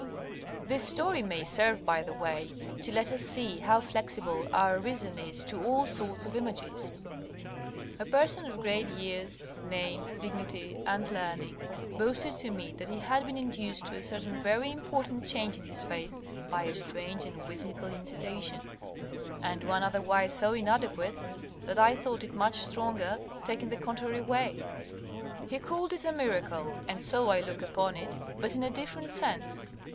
This story may serve, by the way, to let us see how flexible our reason is to all sorts of images. A person of great years, name, dignity, and learning boasted to me that he had been induced to a certain very important change in his faith by a strange and whimsical incitation, and one otherwise so inadequate, that I thought it much stronger, taken the contrary way: he called it a miracle, and so I look upon it, but in a different sense.